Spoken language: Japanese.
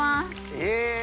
え！